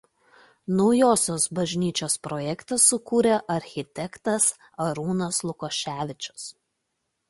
Naujosios bažnyčios projektą sukūrė architektas Arūnas Lukoševičius.